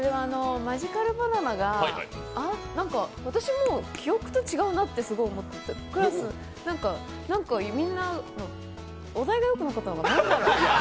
マジカルバナナが私も記憶と違うなってすごい思ってて、クラスなんか、みんな、お題がよくなかったのかな。